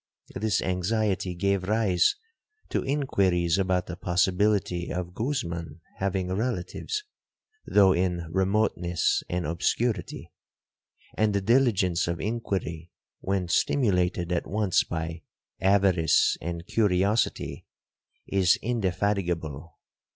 This anxiety gave rise to inquiries about the possibility of Guzman having relatives, though in remoteness and obscurity; and the diligence of inquiry, when stimulated at once by avarice and curiosity, is indefatigable.